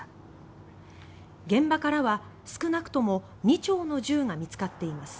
現場からは少なくとも２丁の銃が見つかっています。